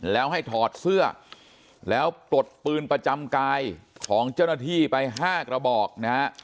แล้วให้ถอดเสื้อแล้วปลดปืนประจำกายของเจ้าหน้าที่ไป๕กระบอกนะฮะ